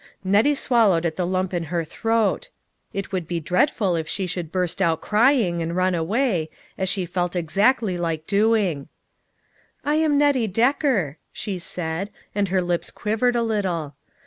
Nettie swallowed at the lump in her throat. It would be dreadful if she should burst out cry ing and run away, as she felt exactly like doing. THE TEUTH 18 TOLD. 51 " I am Nettie Decker," she said, and her lips quivered a little.